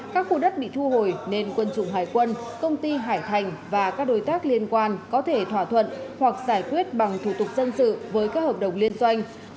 các khu đất bị thu hồi nên quân chủng hải quân công ty hải thành và các đối tác liên quan có thể thỏa thuận hoặc giải quyết bằng thủ tục dân sự với các hợp đồng liên doanh